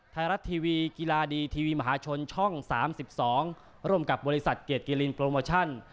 ไทยรัฐทีวีกีฬาดีทีวีมหาชนช่อง๓๒ร่วมกับบริษัทเกรดกิลินโปรโมชั่น